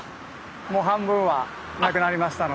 もう半分はなくなりましたので。